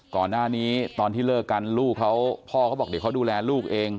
ก่อนหน้านี้ตอนที่เลิกกันลูกเขาพ่อเขาบอกเดี๋ยวเขาดูแลลูกเอง